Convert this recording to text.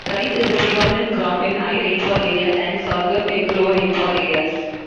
Rice is the predominant crop in high-rainfall areas and sorghum in low-rainfall areas.